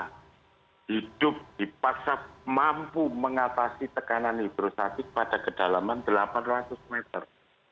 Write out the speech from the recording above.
karena hidup dipaksa mampu mengatasi tekanan hidrostatik pada kedalaman delapan ratus meter